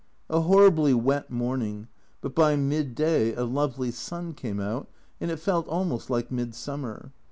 A horribly wet morning, but by midday a lovely sun came out, and it felt almost like midsummer.